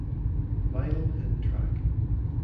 Vinyl hidden track